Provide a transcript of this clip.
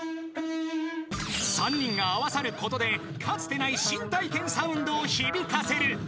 ［３人が合わさることでかつてない新体験サウンドを響かせる］